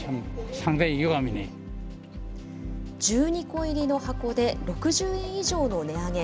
１２個入りの箱で６０円以上の値上げ。